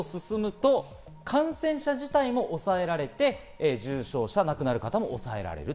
それがもっと進むと感染者自体も抑えられて、重症者、亡くなる方も抑えられる。